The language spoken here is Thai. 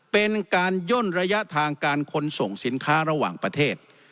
เป็นการย่นระยะทางการขนส่งสินค้าระหว่างประเทศ